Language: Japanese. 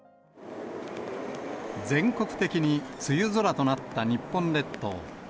全国的に梅雨空となった日本列島。